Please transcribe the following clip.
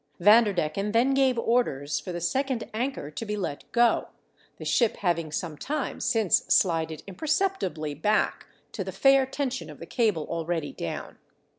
Vanderdecken then gave orders for the second anchor to be let go, the ship having some time since sHded imperceptibly back to the fair tension of the cable already down.